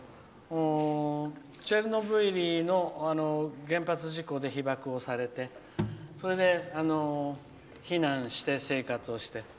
チェルノブイリの原発事故で被ばくをされてそれで避難して生活をして。